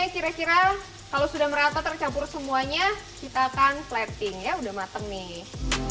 kira kira kalau sudah merata tercampur semuanya kita akan flatting ya udah mateng nih